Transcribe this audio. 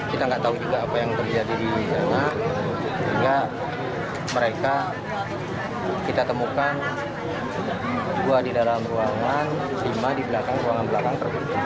kita nggak tahu juga apa yang terjadi di sana sehingga mereka kita temukan dua di dalam ruangan lima di belakang ruangan belakang